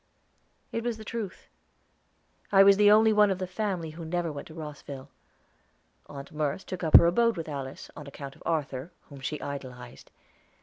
It was the truth. I was the only one of the family who never went to Rosville. Aunt Merce took up her abode with Alice, on account of Arthur, whom she idolized.